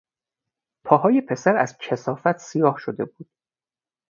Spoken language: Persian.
پاهای پسر از کثافت سیاه شده بود.